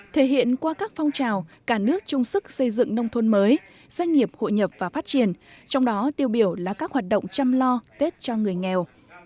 thể hiện qua các phong trào cả nước chung sức xây dựng nông thôn mới doanh nghiệp hội nhập và phát triển trong đó tiêu biểu là các hoạt động chăm lo tết cho người nghèo